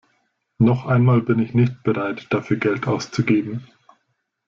Noch einmal bin ich nicht bereit dafür Geld auszugeben.